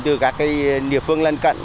từ các địa phương lân cận